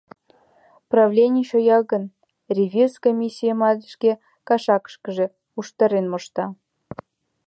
Правлений чоя гын, ревиз комиссийымат шке кашакышкыже уштарен мошта.